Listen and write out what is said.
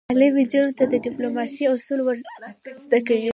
تعلیم نجونو ته د ډیپلوماسۍ اصول ور زده کوي.